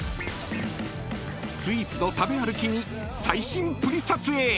［スイーツの食べ歩きに最新プリ撮影］